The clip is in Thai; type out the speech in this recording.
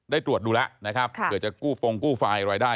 ได้ตรวจดูแล้วนะครับค่ะเผื่อจะกู้ฟงกู้ไฟล์ลอยได้